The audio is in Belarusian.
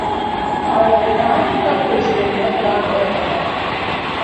Але там ім пакуль што не да гэтага.